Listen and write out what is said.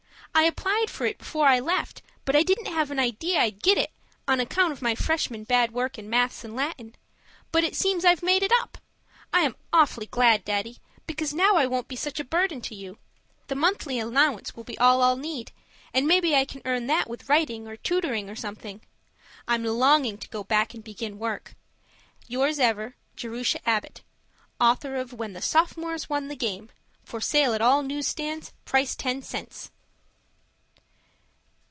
I applied for it before I left, but I didn't have an idea I'd get it, on account of my Freshman bad work in maths and Latin. But it seems I've made it up. I am awfully glad, Daddy, because now I won't be such a burden to you. The monthly allowance will be all I'll need, and maybe I can earn that with writing or tutoring or something. I'm LONGING to go back and begin work. Yours ever, Jerusha Abbott, Author of When the Sophomores Won the Game. For sale at all news stands, price ten cents.